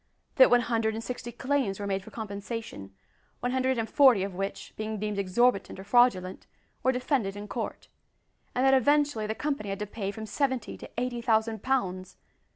that one hundred and sixty claims were made for compensation one hundred and forty of which, being deemed exorbitant or fraudulent, were defended in court; and that, eventually, the company had to pay from seventy to eighty thousand pounds!